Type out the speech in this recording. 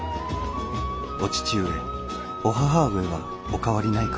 お義父上お義母上はお変わりないか」。